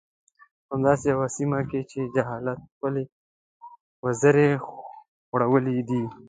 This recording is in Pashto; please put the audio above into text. په همداسې يوه سيمه کې چې جهالت خپلې وزرې غوړولي دي.